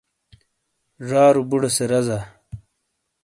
ڙارو بوڑے سے رزا۔